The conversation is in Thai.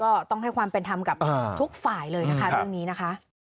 ก็ต้องให้ความเป็นธรรมกับทุกฝ่ายเลยนะคะเรื่องนี้นะคะ